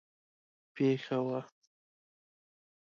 پېښه وه.